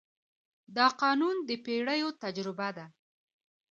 دا قانون د پېړیو تجربه ده.